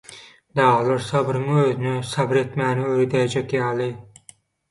Daglar sabyryň özüne sabyr etmäni öwredäýjek ýaly.